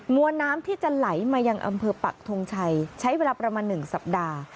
วนน้ำที่จะไหลมายังอำเภอปักทงชัยใช้เวลาประมาณ๑สัปดาห์